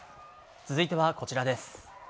続いてはこちらです。